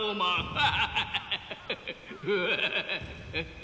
フハハハ。